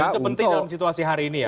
dan itu penting dalam situasi hari ini ya